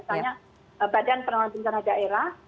biasanya badan penolong penjara daerah